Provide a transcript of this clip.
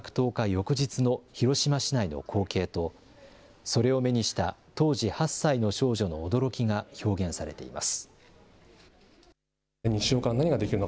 翌日の広島市内の光景と、それを目にした当時８歳の少女の驚きが表現されています。